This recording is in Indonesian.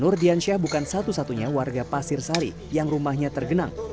nur diansyah bukan satu satunya warga pasir sari yang rumahnya tergenang